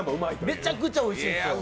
めちゃくちゃおいしいんですよ。